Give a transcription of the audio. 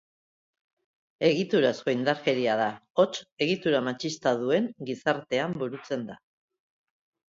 Egiturazko indarkeria da, hots, egitura matxista duen gizartean burutzen da.